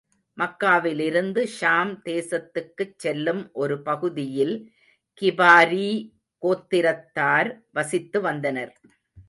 மக்காவிலிருந்து ஷாம் தேசத்துக்குச் செல்லும் ஒரு பகுதியில் கிபாரீ கோத்திரத்தார் வசித்து வந்தனர்.